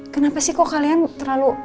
kenapa sih kok kalian terlalu